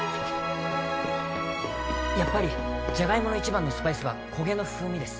やっぱりじゃがいもの一番のスパイスは焦げの風味です